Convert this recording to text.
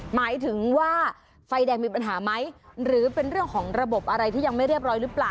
หมายถึงว่าไฟแดงมีปัญหาไหมหรือเป็นเรื่องของระบบอะไรที่ยังไม่เรียบร้อยหรือเปล่า